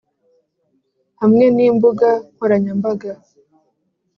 hamwe nimbuga nkoranyambaga